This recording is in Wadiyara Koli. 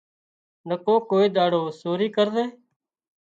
نڪو ڪوئي ۮاڙو سوري ڪرزي